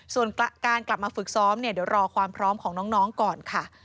ส่วนการกลับมาฝึกซ้อมเนี่ยเดี๋ยวรอความพร้อมของน้องก่อนค่ะ